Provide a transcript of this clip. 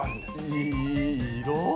いい色。